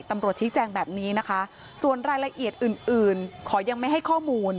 ตำรวจชี้แจงแบบนี้นะคะส่วนรายละเอียดอื่นอื่นขอยังไม่ให้ข้อมูล